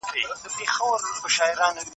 دا کیسه موږ ته د زړه د لویوالي سبق راکوي.